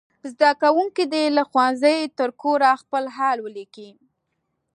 زده کوونکي دې له ښوونځي تر کوره خپل حال ولیکي.